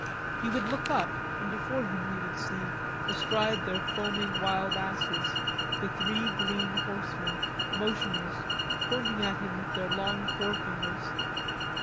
He would look up, and before him he would see, astride their foaming wild asses, the three green horsemen motionless, pointing at him with their long forefingers.